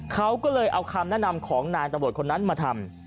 เขาก็เลยเอาคำแนะนำของนายตำรวจคนนั้นมาทำ